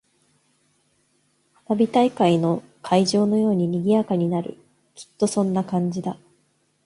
花火大会の会場のように賑やかになる。きっとそんな感じだ。